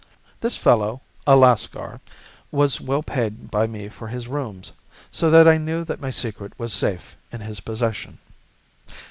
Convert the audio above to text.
This fellow, a Lascar, was well paid by me for his rooms, so that I knew that my secret was safe in his possession.